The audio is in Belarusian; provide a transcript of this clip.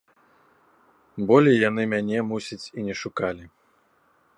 Болей яны мяне, мусіць, і не шукалі.